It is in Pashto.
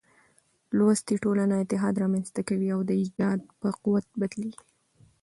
لوستې ټولنه اتحاد رامنځ ته کوي او د ايجاد په قوت بدلېږي.